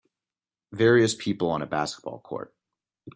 Various people on a basketball court.